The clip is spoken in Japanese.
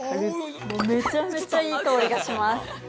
めちゃめちゃいい香りがします。